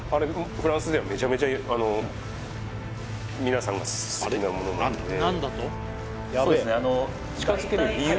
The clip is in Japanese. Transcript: フランスではめちゃめちゃ皆さんが好きなものなのでそうですね